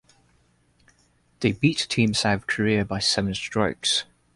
They beat team South Korea by seven strokes.